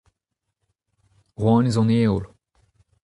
Rouanez an heol.